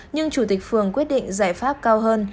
nhưng chủ tịch phường quyết định giải pháp cao hơn